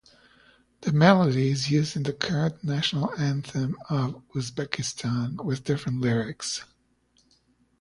The melody is used in the current national anthem of Uzbekistan, with different lyrics.